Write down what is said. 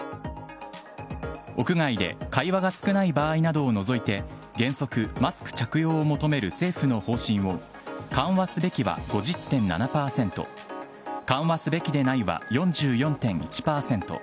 屋外で会話が少ない場合などをのぞいて、原則マスク着用を求める政府の方針を、緩和すべきは５０．７％、緩和すべきでないは４４．１％。